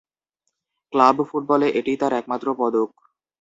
Club ফুটবলে এটিই তার একমাত্র পদক।